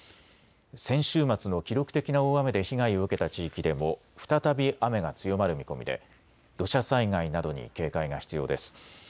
先週末の記録的な大雨で被害を受けた地域でも再び雨が強まる見込みで土砂災害などに警戒が必要です。